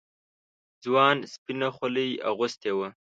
ځوان سپينه خولۍ اغوستې وه.